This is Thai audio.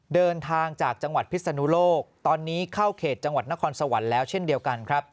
เดินทางจากจังหวัดพิศนุโลกตอนนี้เข้าเขตจังหวัดนครสวรรค์แล้วเช่นเดียวกันครับ